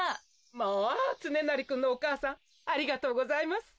・まあつねなりくんのお母さんありがとうございます。